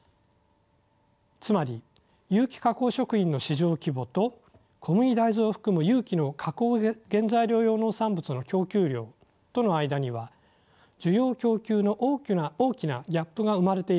つまり有機加工食品の市場規模と小麦大豆を含む有機の加工原材料用農産物の供給量との間には需要供給の大きな大きなギャップが生まれているのです。